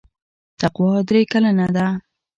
تقوا درې کلنه ده.